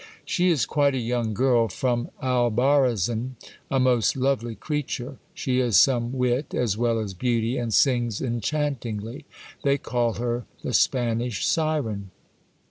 She is quite a young girl from Al barazin, a most lovely creature. She has some wit as well as beauty, and sings enchantingly ; they call her the Spanish Syren.